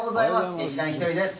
劇団ひとりです。